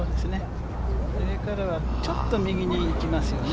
上からはちょっと右にいきますよね。